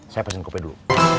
saya pesen kopi dulu